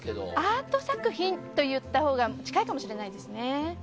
アート作品といったほうが近いかもしれないですね。